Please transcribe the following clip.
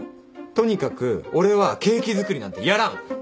とにかく俺はケーキ作りなんてやらん！